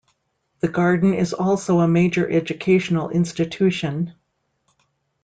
The Garden is also a major educational institution.